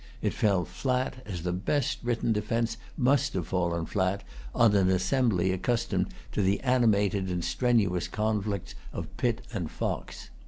It fell flat, as the best written defence must have fallen flat, on an assembly accustomed to the animated and strenuous conflicts of Pitt and Fox.